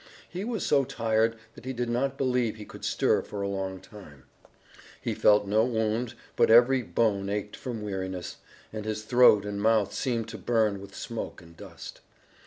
He was so tired that he did not believe he could stir for a long time. He felt no wound, but every bone ached from weariness, and his throat and mouth seemed to burn with smoke and dust.